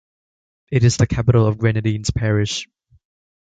It is the capital of Grenadines Parish.